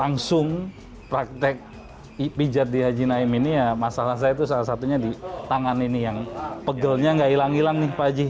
langsung praktek pijat di haji naim ini ya masalah saya itu salah satunya di tangan ini yang pegelnya nggak hilang hilang nih pak haji